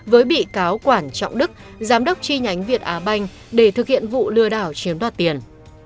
với bị cáo quản trọng đức giám đốc chi nhánh việt á banh để thực hiện vụ lừa đảo chiếm đoạt tiền